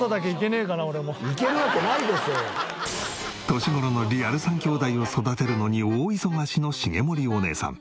年頃のリアル３兄弟を育てるのに大忙しの茂森おねえさん。